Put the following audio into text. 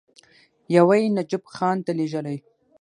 یو یې نجف خان ته لېږلی.